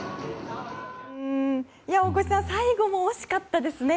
大越さん最後も惜しかったですね。